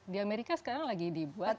di amerika sekarang lagi dibuat